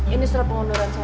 ini surat pengunduran saya